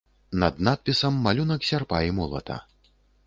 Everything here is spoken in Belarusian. Над надпісам малюнак сярпа і молата.